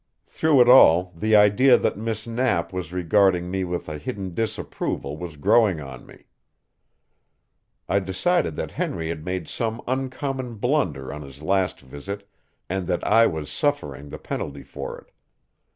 Through it all the idea that Miss Knapp was regarding me with a hidden disapproval was growing on me. I decided that Henry had made some uncommon blunder on his last visit and that I was suffering the penalty for it.